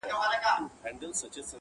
اوس سره جار وتو رباب سومه نغمه یمه,